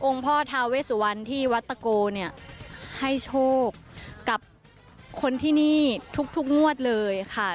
พ่อทาเวสุวรรณที่วัตโกเนี่ยให้โชคกับคนที่นี่ทุกงวดเลยค่ะ